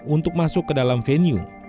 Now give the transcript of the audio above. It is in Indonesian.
untuk masuk ke dalam venue